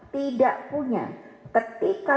tidak punya ketika